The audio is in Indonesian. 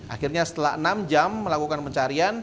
akhirnya setelah enam jam melakukan pencarian